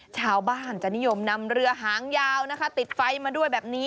ชาวบ้านจะนิยมนำเรือหางยาวนะคะติดไฟมาด้วยแบบนี้